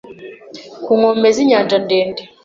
Ku nkombe z'inyanja ndende